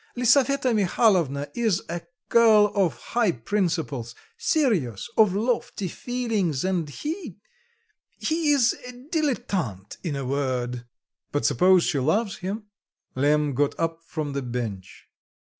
Lisaveta Mihalovna is a girl of high principles, serious, of lofty feelings, and he... he is a dilettante, in a word." "But suppose she loves him" Lemm got up from the bench.